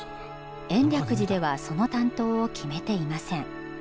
延暦寺ではその担当を決めていません。